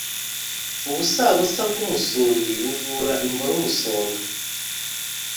Ubusabusa bw’umusundi buvura imboro umusonga